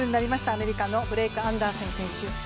アメリカのブルーク・アンダーセン選手。